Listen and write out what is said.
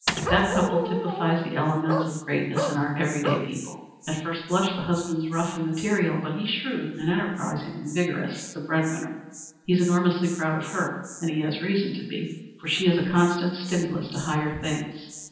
That couple typifies the elements of greatness in our every day people. At first blush the husband's rough and material, but he's shrewd and enterprising and vigorous the bread winner. He's enormously proud of her, and he has reason to be, for she is a constant stimulus to higher things.